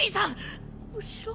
後ろ。